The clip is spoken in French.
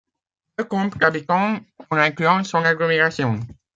Elle compte habitants, en incluant son agglomération.